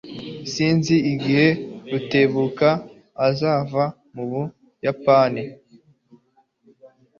Sinzi igihe Rutebuka azava mu Buyapani.